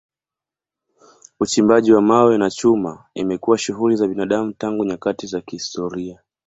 Uchimbaji wa mawe na chuma imekuwa shughuli za binadamu tangu nyakati za kihistoria.